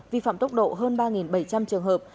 vi phạm tốc độ hơn ba bảy trăm linh trường hợp